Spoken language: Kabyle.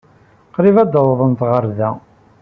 Qrib ad d-awḍent ɣer da.